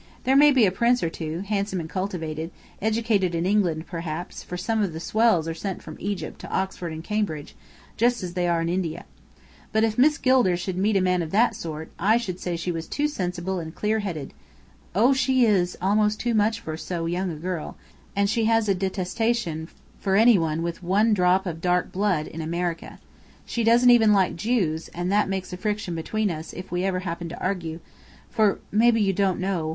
"There might be a prince or two, handsome and cultivated, educated in England, perhaps, for some of the 'swells' are sent from Egypt to Oxford and Cambridge, just as they are in India. But even if Miss Gilder should meet a man of that sort, I should say she was too sensible and clear headed " "Oh, she is, almost too much so for a young girl, and she has a detestation for any one with a drop of dark blood, in America. She doesn't even like Jews; and that makes friction between us, if we ever happen to argue, for maybe you don't know?